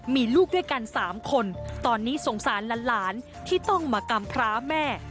มีลูกด้วยกัน๓คนตอนนี้สงสารหลานที่ต้องมากำพร้าแม่